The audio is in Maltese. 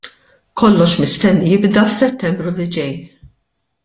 Kollox mistenni jibda f'Settembru li ġej.